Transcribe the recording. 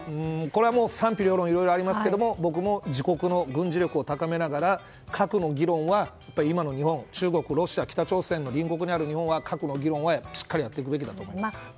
これは賛否両論ありますが僕も、自国の軍事力を高めながら、核の議論は今の日本、中国、ロシア北朝鮮の隣国にある日本は核の議論はしっかりやっておくべきだと思います。